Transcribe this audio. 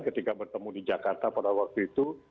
ketika bertemu di jakarta pada waktu itu